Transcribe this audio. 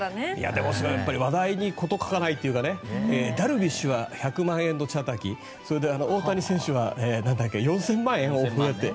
でも話題に事欠かないというかダルビッシュは１００万円のチャーター機それで大谷選手は４０００万円？